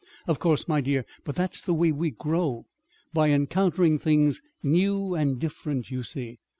"Of course, my dear; but that's the way we grow by encountering things new and different, you see.